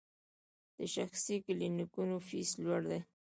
د شخصي کلینیکونو فیس لوړ دی؟